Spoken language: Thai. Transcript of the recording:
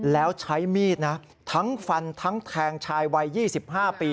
แล้วใช้มีดนะทั้งฟันทั้งแทงชายวัย๒๕ปี